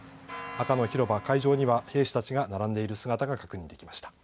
赤の広場、会場には兵士たちが並んでいる姿が確認できました。